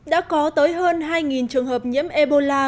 đã có tới hơn hai trường hợp nhiễm ebola